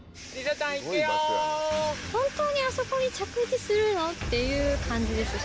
本当にあそこに着地するの？っていう感じです